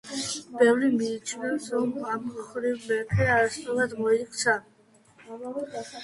ბევრი მიიჩნევს, რომ ამ მხრივ მეფე არასწორად მოიქცა.